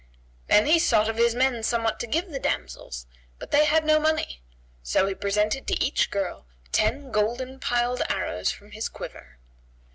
Then he sought of his men somewhat to give the damsels but they had no money; so he presented to each girl ten golden piled arrows from his quiver.